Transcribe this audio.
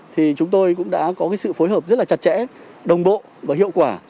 thì chúng tôi cũng đã có cái sự phối hợp rất là chặt chẽ đồng bộ và hiệu quả